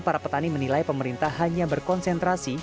para petani menilai pemerintah hanya berkonsentrasi